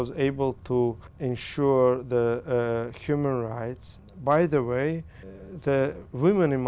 sau cuộc chiến